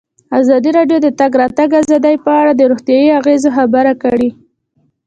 ازادي راډیو د د تګ راتګ ازادي په اړه د روغتیایي اغېزو خبره کړې.